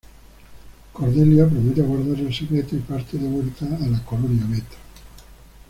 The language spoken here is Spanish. Cordelia promete guardar el secreto, y parte de vuelta a la Colonia Beta.